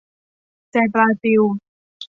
ใจปลาซิว